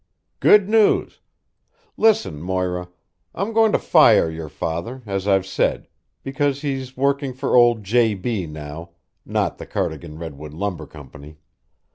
"Good news! Listen, Moira. I'm going to fire your father, as I've said, because he's working for old J.B. now, not the Cardigan Redwood Lumber Company.